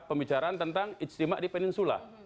pembicaraan tentang ijtimak di peninsula